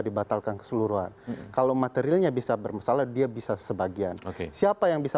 dibatalkan keseluruhan kalau materialnya bisa bermasalah dia bisa sebagian siapa yang bisa